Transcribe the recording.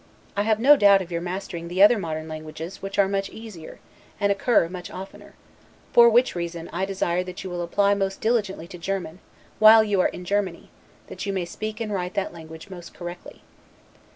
I have no doubt of your mastering the other modern languages, which are much easier, and occur much oftener; for which reason, I desire that you will apply most diligently to German, while you are in Germany, that you may speak and write that language most correctly.